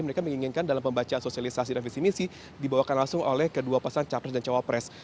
mereka menginginkan dalam pembacaan sosialisasi dan visi misi dibawakan langsung oleh kedua pasang capres dan cawapres